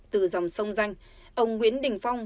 từ dòng sông danh ông nguyễn đình phong